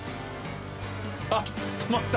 ・あっ止まった。